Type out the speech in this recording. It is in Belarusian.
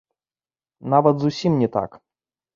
Нават зусім не так!